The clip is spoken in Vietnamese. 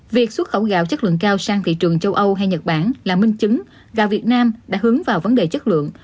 việc xuất khẩu gạo chất lượng cao sang thị trường châu âu hay nhật bản là minh chứng gạo việt nam đã hướng vào vấn đề chất lượng